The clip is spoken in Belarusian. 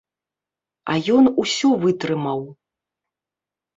А ён усё вытрымаў.